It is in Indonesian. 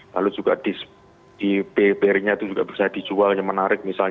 lalu juga di bpry nya itu juga bisa dijual yang menarik misalnya